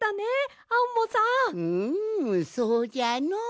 うんそうじゃのう。